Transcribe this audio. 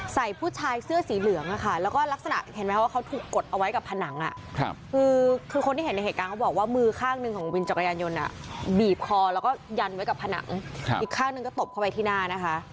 ใส่ผู้ชายเสื้อสีเหลืองแล้วก็ลักษณะเห็นไหมว่าเขาถูกกดเอาไว้กับผนังคือคนที่เห็นในเหตุการณ์เขาบอกว่ามือข้างหนึ่งของวินจักรยานยนต์บีบคอแล้วก็ยันไว้กับผนังอีกข้างหนึ่งก็ตบเข้าไปที่หน้านะคะ